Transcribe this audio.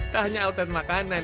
tak hanya altan makanan